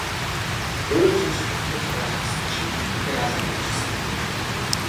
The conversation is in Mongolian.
Уйлж унжиж угтах байх гэсэн чинь тэр алга болчихсон байлаа.